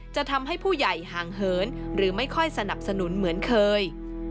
จะทำให้ผู้ใหญ่ห่างเหินหรือไม่ค่อยสนับสนุนเหมือนเคย